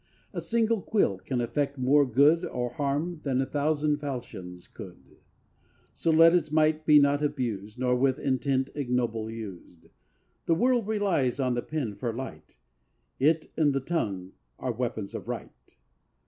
A single quill can effect more good Or harm than a thousand falchions could; So let its might be not abused Nor with intent ignoble used; The world relies on the pen for light, It and the tongue are weapons of Right.